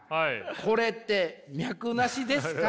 これって脈なしですか？